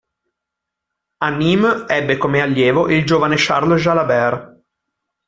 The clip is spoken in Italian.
A Nîmes ebbe come allievo il giovane Charles Jalabert.